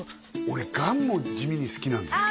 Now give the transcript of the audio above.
俺がんも地味に好きなんですあ